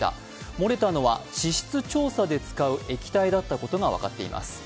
漏れたのは地質調査で使う液体だったことが分かっています。